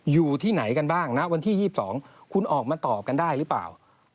อยู่ที่ไหนกันบ้างณวันที่๒๒คุณออกมาตอบกันได้หรือเปล่า